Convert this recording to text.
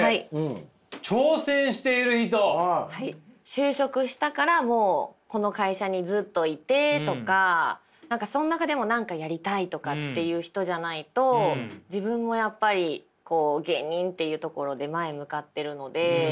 就職したからもうこの会社にずっといてとか何かその中でも何かやりたいとかっていう人じゃないと自分もやっぱり芸人っていうところで前向かってるので。